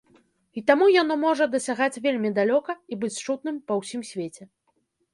І таму яно можа дасягаць вельмі далёка і быць чутным па ўсім свеце.